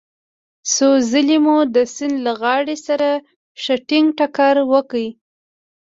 څو ځلې مو د سیند له غاړې سره ښه ټينګ ټکر وکړ.